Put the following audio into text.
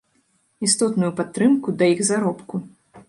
Істотную падтрымку да іх заробку.